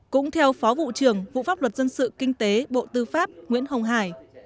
cũng theo phó vụ trưởng vụ pháp luật dân sự kinh tế bộ tư pháp nguyễn hồng hải